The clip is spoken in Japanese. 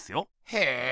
へえ